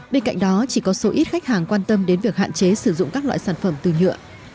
bên cạnh đó chỉ có số ít khách hàng quan tâm đến việc hạn chế sử dụng các loại sản phẩm từ nhựa